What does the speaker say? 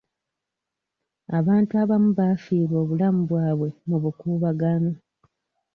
Abantu abamu baafiirwa obulamu bwabwe mu bukuubagano.